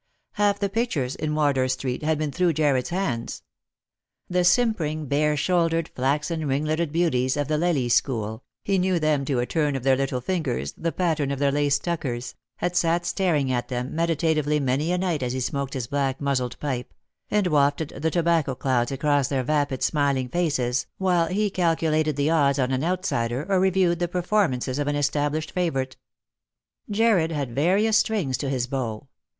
Half the pictures in Wardour street had been through Jarred's hands. The simpering, bare shouldered, flaxen ring leted beauties of the Lely school, — he knew them to a turn of their little fingers, the pattern of their lace tuckers ; had sat staring at them meditatively many a night as he smoked his black muzzled pipe, and wafted the tobacco clouds across their vapid smiling faces, while he calculated the odds on an outsider or reviewed the performances of an established favourite. D 50 Lost for Love. Jarred had various strings to his bow.